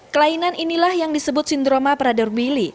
kelainan inilah yang disebut sindroma prader willi